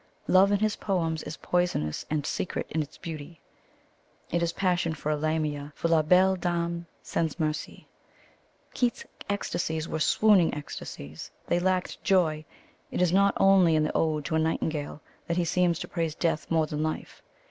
Love in his poems is poisonous and secret in its beauty. It is passion for a Lamia, for La Belle Dame sans Merci. Keats's ecstasies were swooning ecstasies. They lacked joy. It is not only in the Ode to a Nightingale that he seems to praise death more than life.